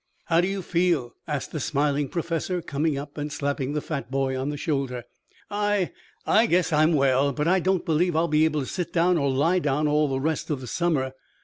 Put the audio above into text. "How do you feel?" asked the smiling Professor, coming up and slapping the fat boy on the shoulder. "I I guess I'm well, but I don't believe I'll be able to sit down or lie down all the rest of the summer.